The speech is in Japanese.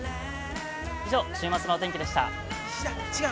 以上、週末のお天気でした。